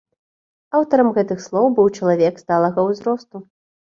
Аўтарам гэтых слоў быў чалавек сталага ўзросту.